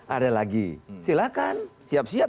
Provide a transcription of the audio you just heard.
ada lagi silakan siap siap